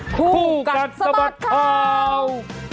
คู่กันสมัติค่าว